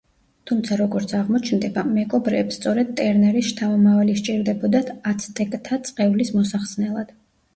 თუმცა, როგორც აღმოჩნდება, მეკობრეებს სწორედ ტერნერის შთამომავალი სჭირდებოდათ აცტეკთა წყევლის მოსახსნელად.